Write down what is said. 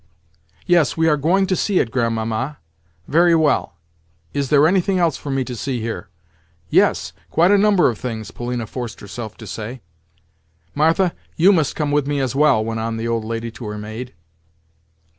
"Yes, we are going to see it, Grandmamma." "Very well. Is there anything else for me to see here?" "Yes! Quite a number of things," Polina forced herself to say. "Martha, you must come with me as well," went on the old lady to her maid.